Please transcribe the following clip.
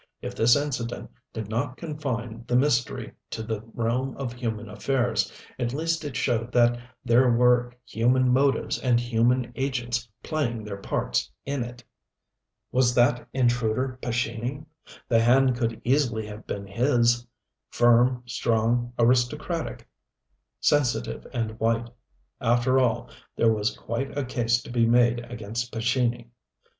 If this incident did not confine the mystery to the realm of human affairs, at least it showed that there were human motives and human agents playing their parts in it. Was that intruder Pescini? The hand could easily have been his firm, strong, aristocratic, sensitive and white. After all, there was quite a case to be made against Pescini.